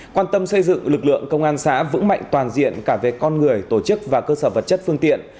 quan tâm xây dựng lực lượng công an xã vững mạnh toàn diện cả về con người tổ chức và cơ sở vật chất phương tiện